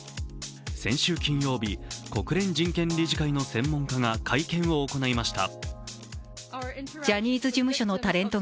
先週金曜日、国連人権理事会の専門家が会見を行いました。